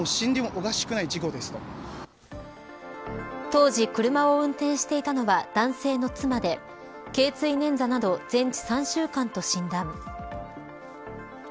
当時、車を運転していたのは男性の妻で頚椎捻挫など全治３週間と診断。